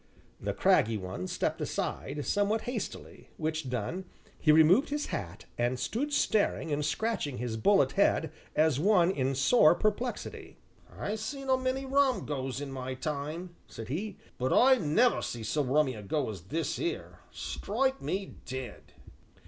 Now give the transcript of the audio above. The craggy one stepped aside, somewhat hastily, which done, he removed his hat and stood staring and scratching his bullet head as one in sore perplexity. "I seen a many rum goes in my time," said he, "but I never see so rummy a go as this 'ere strike me dead!"